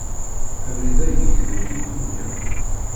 Abrid-a yegdel i yikumya.